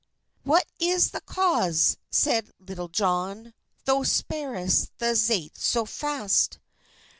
"What is the cause," seid Litul John, "Thou sparris the zates so fast?"